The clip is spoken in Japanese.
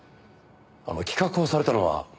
企画をされたのは？